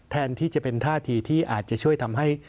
แทนที่จะเป็นท่าทีที่อาจจะช่วยทำให้